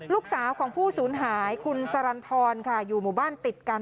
ลูกสาวของผู้สูญหายคุณสรรพรค่ะอยู่หมู่บ้านติดกัน